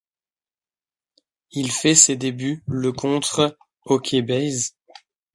Il fait ses débuts le contre Hawke's Bay.